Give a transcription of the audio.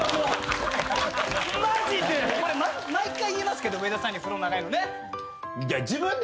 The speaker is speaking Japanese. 毎回言いますけど上田さんには風呂長いのね。